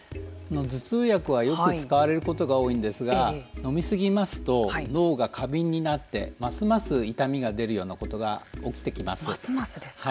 頭痛薬は、よく使われることが多いんですがのみすぎますと脳が過敏になってますます痛みが出るようなことが起きてきます。